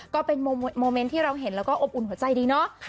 ก็เป็นโมเมนต์ที่เราเห็นแล้วก็อบอุ่นหัวใจดีเนาะ